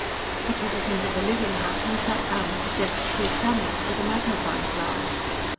He took it into the living hut and sat down at the desk to examine it with a magnifying glass.